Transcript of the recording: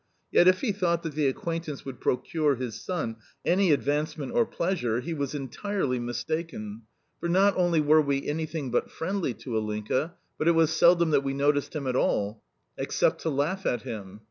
Yet if he thought that the acquaintance would procure his son any advancement or pleasure, he was entirely mistaken, for not only were we anything but friendly to Ilinka, but it was seldom that we noticed him at all except to laugh at him.